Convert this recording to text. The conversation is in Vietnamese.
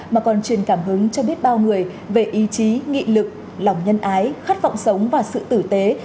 mà còn truyền cảm hứng cho biết bao người về ý chí nghị lực lòng nhân ái khát vọng sống và sự tử tế